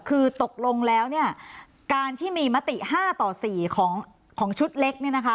คือตกลงแล้วการที่มีมติ๕ต่อ๔ของชุดเล็ก